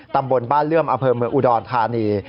ตำบลบ้านเลื่อมอเผิมอุดรธานี